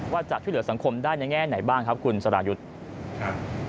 ว่าจะช่วยเหลือสังคมได้ในแง่ไหนบ้างครับคุณสรายุทธ์ครับ